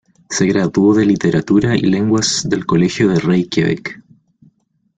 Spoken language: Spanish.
Se graduó de Literatura y Lenguas del Colegio de Reikiavik.